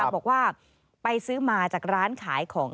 บอกว่าไปซื้อมาจากร้านขายของ